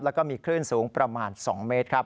แล้วก็มีคลื่นสูงประมาณ๒เมตรครับ